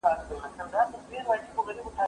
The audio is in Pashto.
زه مخکي کار کړی و.